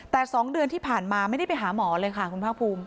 แต่๒เดือนที่ผ่านมาไม่ได้ไปหาหมอเลยค่ะคุณภาคภูมิ